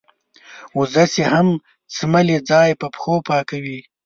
وزه چې هم څملې ځای په پښو پاکوي.